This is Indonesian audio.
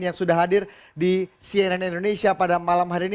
yang sudah hadir di cnn indonesia pada malam hari ini